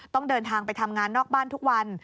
ต้องเดินทางไปทำงานนอกบ้านทุกวัน